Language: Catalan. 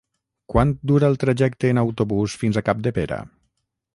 Quant dura el trajecte en autobús fins a Capdepera?